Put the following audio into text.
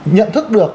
nhận thức được